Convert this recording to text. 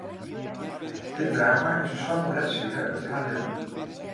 Dit drama is in swarte bledside út har libben.